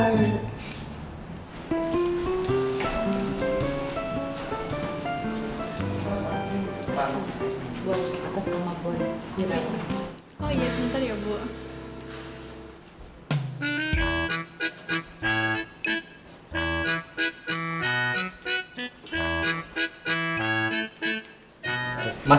buat atas rumah buat